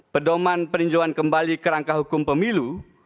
pedoman peninjauan kembali ke rangka hukum pemilu